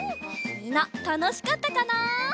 みんなたのしかったかな？